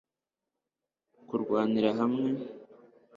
kurwanira hamwe